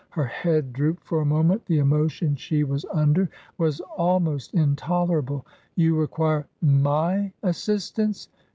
Her head drooped for a moment ; the emo tion she was under was almost intolerable. " You require my assistance